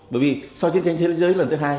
bởi vì sau chiến tranh thế giới lần thứ hai